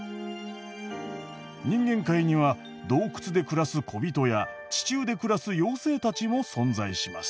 人間界には洞窟で暮らすこびとや地中で暮らす妖精たちも存在します。